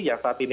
yang saat ini